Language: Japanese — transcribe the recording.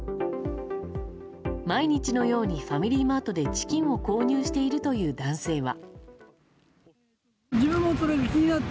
毎日のようにファミリーマートでチキンを購入しているという男性は。